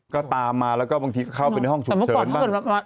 ก็ตามมาแล้วก็บางทีเข้าไปในห้องฉุกเฉินบ้าง